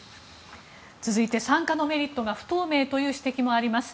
続いて参加のメリットが不透明という指摘もあります。